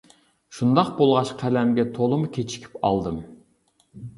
شۇنداق بولغاچ قەلەمگە تولىمۇ كېچىكىپ ئالدىم.